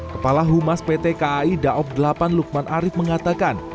kepala humas pt kai daob delapan lukman arief mengatakan